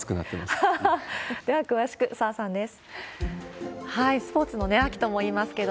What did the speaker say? では詳しく、澤さんです。